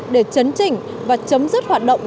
để chấn trình và chấm dứt hoạt động